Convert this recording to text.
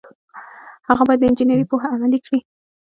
هغه باید د انجنیری پوهه عملي کړي.